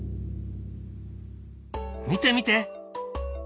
見て見て。